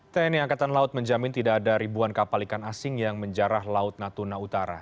tni angkatan laut menjamin tidak ada ribuan kapal ikan asing yang menjarah laut natuna utara